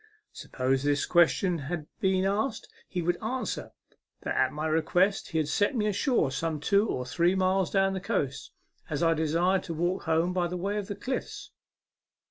Supposing this ques tion asked, he would answer that at my request he had set me ashore some two or three miles down the coast, as I desired to walk home by way of the cliffs.